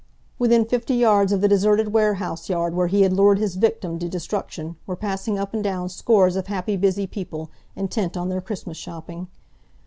"Within fifty yards of the deserted warehouse yard where he had lured his victim to destruction were passing up and down scores of happy, busy people, intent on their Christmas shopping.